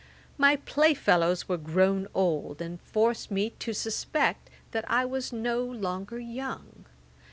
My play fellows were grown old, and forced me to suspect that I was no longer young.